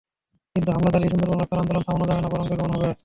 কিন্তু হামলা চালিয়ে সুন্দরবন রক্ষার আন্দোলন থামানো যাবে না, বরং বেগবান হবে।